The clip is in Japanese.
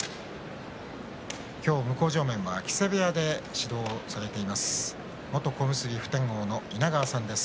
今日、向正面は木瀬部屋で指導されています元小結普天王の稲川さんです。